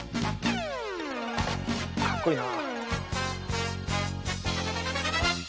かっこいいな。